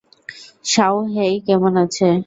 শাওহেই কেমন আছে?